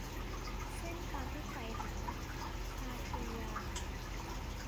เส้นทางที่ใฝ่หา - ชาครียา